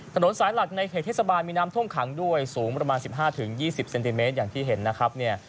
ถนนสายหลักในเขตเทศบาลมีน้ำท่วมขังด้วยสูงประมาณ๑๕๒๐เซนติเมตรอย่างที่เห็นนะครับเนี่ย